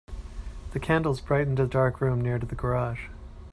The candles brightened the dark room near to the garage.